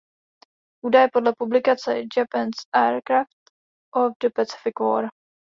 Údaje podle publikace "Japanese Aircraft of the Pacific War"